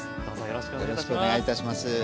どうぞよろしくお願いいたしします。